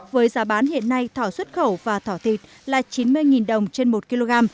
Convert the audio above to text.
với giá bán hiện nay thỏ xuất khẩu và thỏ thịt là chín mươi đồng trên một kg